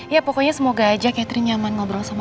ya pokoknya semoga aja catherine nyaman ngobrol sama